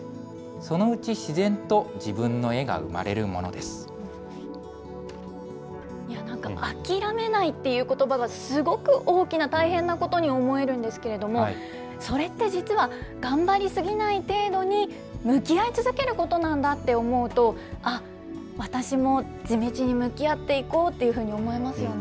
そのうち自然と自分の絵が生まれなんか、諦めないっていうことばが、すごく大きな大変なことに思えるんですけれども、それって実は、頑張り過ぎない程度に、向き合い続けることなんだって思うと、あっ、私も地道に向き合っていこうっていうふうに思いますよね。